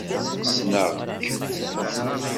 Ssneɣ-k.